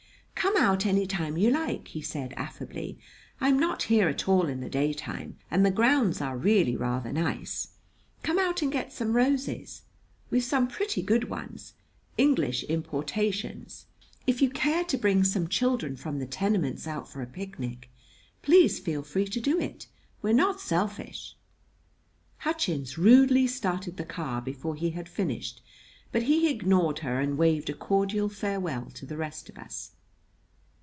"Come out any time you like," he said affably. "I'm not here at all in the daytime, and the grounds are really rather nice. Come out and get some roses. We've some pretty good ones English importations. If you care to bring some children from the tenements out for a picnic, please feel free to do it. We're not selfish." Hutchins rudely started the car before he had finished; but he ignored her and waved a cordial farewell to the rest of us.